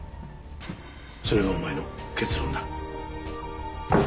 それがお前の結論だ。